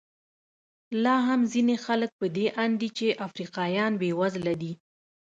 لا هم ځینې خلک په دې اند دي چې افریقایان بېوزله دي.